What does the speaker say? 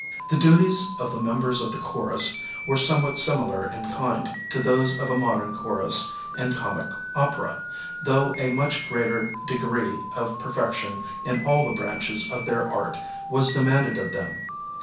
The duties of the members of the chorus were somewhat similar in kind to those of a modem chorus in comic opera, though a much greater degree of perfection in all the branches of their art was de manded of them.